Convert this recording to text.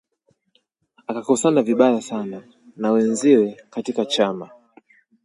akakosana vibaya sana na wenziwe katika chama